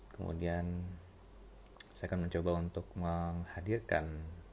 kemudian saya akan mencoba untuk menghadirkan